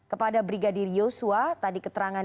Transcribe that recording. kepada brigadir yosua tadi keterangan